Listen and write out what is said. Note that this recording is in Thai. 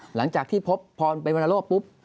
หลังจากที่พบพรเป็นวรรณโลกปุ๊บ